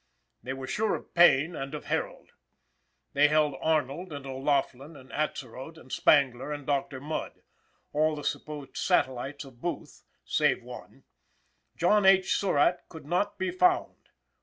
They were sure of Payne and of Herold. They held Arnold and O'Laughlin and Atzerodt and Spangler and Doctor Mudd all the supposed satellites of Booth, save one. John H. Surratt could not be found.